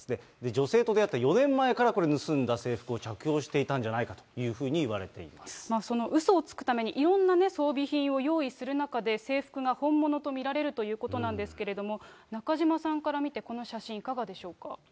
女性と出会った４年前からこれ、盗んだ制服を着用していたんじゃないかというふうにいわれていまそのうそをつくためにいろんな装備品を用意する中で、制服が本物と見られるということなんですけれども、中島さんから見て、この写真、いかがでしょうか。